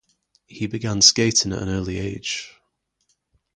He began skating at an early age.